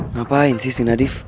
ngapain sih sina div